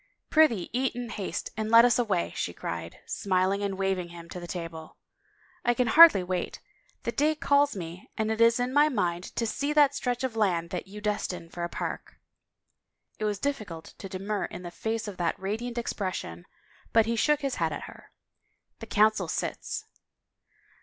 " Prithee eat in haste and let us away," she cried, smil ing and waving him to the table. " I can hardly wait. The day calls me and it is in my mind to see that stretch of land that you destine for a park." It was difficult to demur in the face of that radiant expectation but he shook his head at her. " The Coun cil sits."